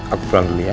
aku pulang dulu ya